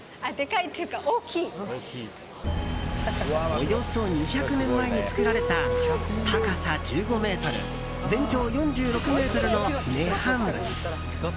およそ２００年前に造られた高さ１５ｍ、全長４６ｍの涅槃仏。